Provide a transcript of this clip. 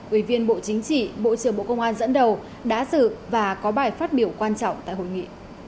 ủy viên bộ chính trị bộ trưởng bộ công an dẫn đầu đã dự và có bài phát biểu quan trọng tại hội nghị